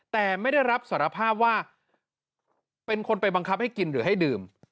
แต่ไม่ได้รับสารภาพว่าเป็นคนไปบังคับให้กินหรือให้ดื่ม